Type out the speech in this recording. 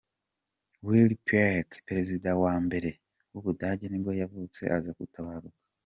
Wilhelm Pieck, perezida wa mbere w’ubudage nibwo yavutse aza gutabaruka mu .